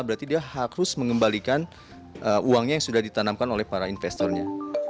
berarti dia harus mengembalikan uangnya yang sudah ditanamkan oleh para investornya